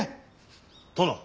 殿。